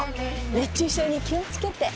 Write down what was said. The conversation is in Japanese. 熱中症に気をつけて